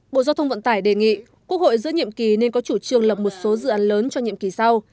bộ giao thông vận tải đề nghị quốc hội giữa nhiệm kỳ nên có chủ trương lập một số dự án lớn cho nhiệm kỳ sau